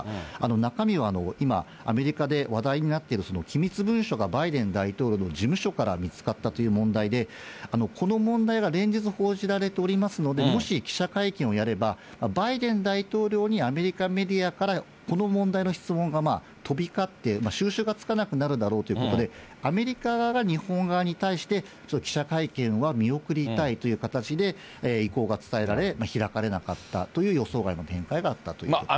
中身は今、アメリカで話題になっている機密文書がバイデン大統領の事務所から見つかったという問題で、この問題が連日報じられておりますので、もし記者会見をやれば、バイデン大統領にアメリカメディアからこの問題の質問が飛び交って、収拾がつかなくなるだろうということで、アメリカ側が日本側に対して記者会見は見送りたいという形で意向が伝えられ、開かれなかったという予想外の展開があったということなんです。